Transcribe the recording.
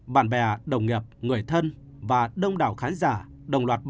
bạn bè đồng nghiệp người thân và đông đảo khán giả